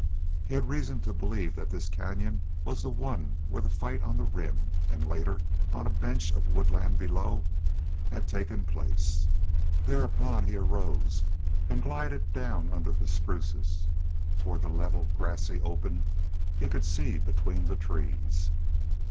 He had reason to believe that this canyon was the one where the fight on the Rim, and later, on a bench of woodland below, had taken place. Thereupon he arose and glided down under the spruces toward the level, grassy open he could see between the trees.